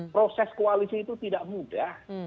proses koalisi itu tidak mudah